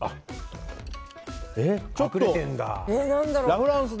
ラ・フランス？